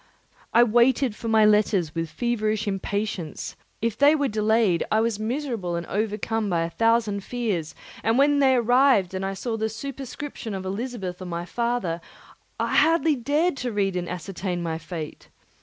I waited for my letters with feverish impatience; if they were delayed I was miserable and overcome by a thousand fears; and when they arrived and I saw the superscription of Elizabeth or my father, I hardly dared to read and ascertain my fate.